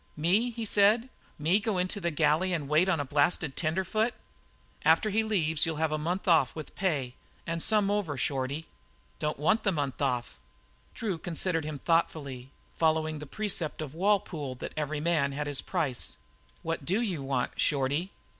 "Me!" he said. "Me go into the galley to wait on a blasted tenderfoot?" "After he leaves you'll have a month off with full pay and some over, Shorty." "Don't want the month off." Drew considered him thoughtfully, following the precept of Walpole that every man has his price. "What do you want, Shorty?"